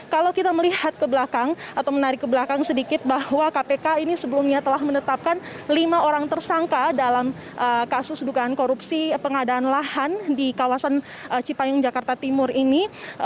kalau kita melihat ke belakang atau menarik ke belakang sedikit bahwa kpk ini sebelumnya telah menetapkan lima orang tersangka dalam kasus dugaan korupsi pengadaan lahan di kawasan cipayung jakarta timur ini